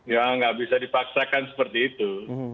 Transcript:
ya nggak bisa dipaksakan seperti itu